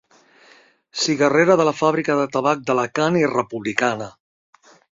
Cigarrera de la Fàbrica de Tabac d’Alacant i republicana.